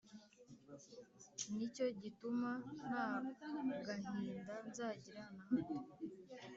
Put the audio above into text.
ni cyo gituma nta gahinda nzagira na hato.’